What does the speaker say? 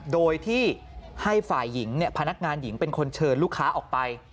โดยที่ให้ฝ่ายหญิงพนักงานหญิงเป็นคนเชิญลูกค้าออกไป